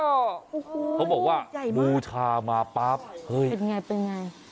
โอ้โหใหญ่มากเขาบอกว่าบูชามาปั๊บเฮ้ยเป็นไง